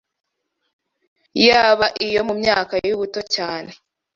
yaba iyo mu myaka y’ubuto cyane